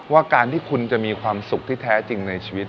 ว่าการที่คุณจะมีความสุขที่แท้จริงในชีวิต